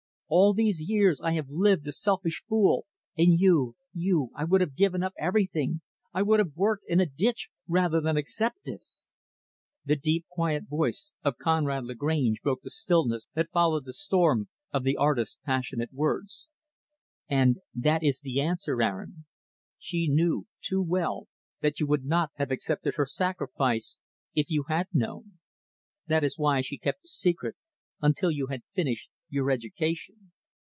All these years I have lived a selfish fool, and you you I would have given up everything I would have worked in a ditch, rather than accept this." The deep, quiet voice of Conrad Lagrange broke the stillness that followed the storm of the artist's passionate words. "And that is the answer, Aaron. She knew, too well, that you would not have accepted her sacrifice, if you had known. That is why she kept the secret until you had finished your education.